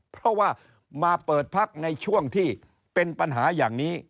เพราะว่ามาเปิดพักในช่วงที่เป็นปัญหาอย่างนี้